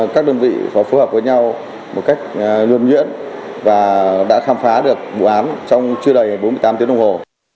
các đơn vị có phù hợp với nhau một cách nhuẩn nhuyễn và đã khám phá được vụ án trong chưa đầy bốn mươi tám tiếng đồng hồ